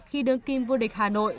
khi đương kim vô địch hà nội